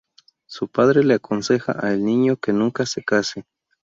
Su padre le aconseja a El Niño que nunca se case.